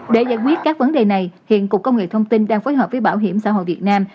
để giải quyết các vấn đề này hiện cục công nghệ thông tin đang phối hợp với bảo hiểm xã hội việt nam